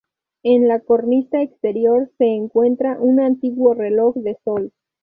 En la cornisa exterior se encuentra un antiguo reloj de sol.